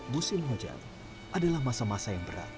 busin hujan adalah masa masa yang sangat penting